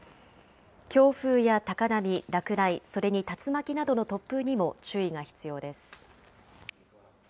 強風や高波、落雷、それに竜巻などの突風にも注意が必要です。